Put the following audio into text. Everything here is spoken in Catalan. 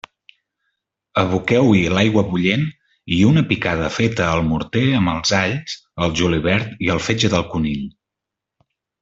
Aboqueu-hi l'aigua bullent i una picada feta al morter amb els alls, el julivert i el fetge del conill.